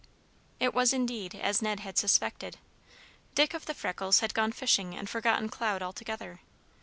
It was, indeed, as Ned had suspected. Dick of the freckles had gone fishing and forgotten Cloud altogether.